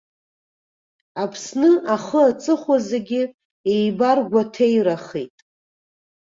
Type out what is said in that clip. Аԥсны ахы-аҵыхәа зегьы еибаргәаҭеирахеит.